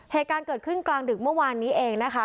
เหตุการณ์เกิดขึ้นกลางดึกเมื่อวานนี้เองนะคะ